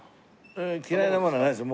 嫌いなものはないです。